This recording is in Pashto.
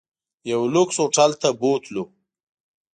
یو لوکس هوټل ته بوتلو.